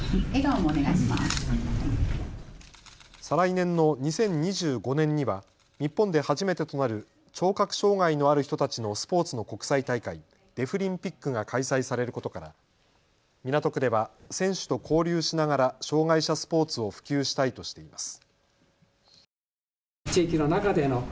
再来年の２０２５年には日本で初めてとなる聴覚障害のある人たちのスポーツの国際大会、デフリンピックが開催されることから港区では選手と交流しながら障害者スポーツを普及したいとしています。